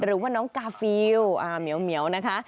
หรือว่าน้องกาฟิลเหมียวนะคะ